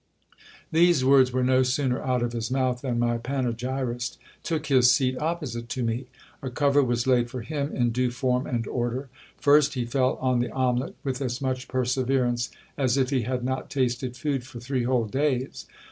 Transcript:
These words were no sooner out of his mouth, than my panegyrist took his seat opposite to me. A cover was laid for him in due form and order. First he fell on the omelet with as much perseverance as if he had not tasted food for three whole days.